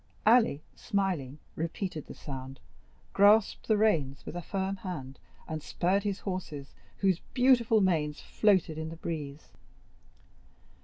Ali, smiling, repeated the sound, grasped the reins with a firm hand, and spurred his horses, whose beautiful manes floated in the breeze.